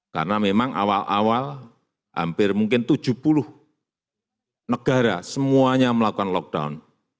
karena memang awal awal hampir mungkin tujuh puluh negara semuanya melakukan lockdown